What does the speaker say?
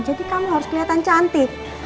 jadi kamu harus kelihatan cantik